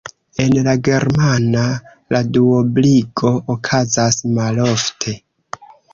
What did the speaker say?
En la germana la duobligo okazas malofte.